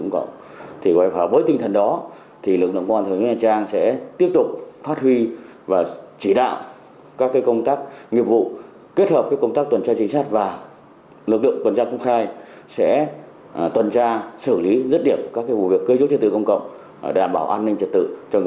công tác tuần tra vũ trang đảm bảo an ninh trật tự ở các khu dân cư